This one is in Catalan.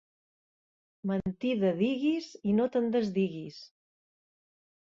Mentida diguis i no te'n desdiguis.